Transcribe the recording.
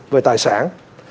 về tài sản